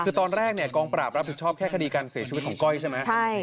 คือตอนแรกเนี่ยกองปราบรับผิดชอบแค่คดีการเสียชีวิตของก้อยใช่ไหม